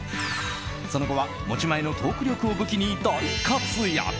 その後は持ち前のトーク力を武器に大活躍。